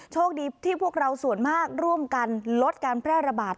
โชคดีที่พวกเราส่วนมากร่วมกันลดการแพร่ระบาด